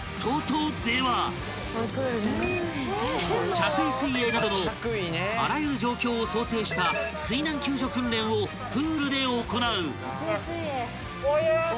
［着衣水泳などのあらゆる状況を想定した水難救助訓練をプールで行う］